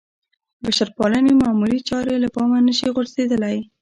بشرپالنې معمولې چارې له پامه نه شي غورځېدلی.